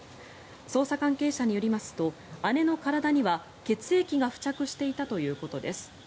捜査関係者によりますと姉の体には血液が付着していたということです。